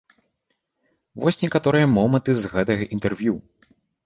Вось некаторыя моманты з гэтага інтэрв'ю.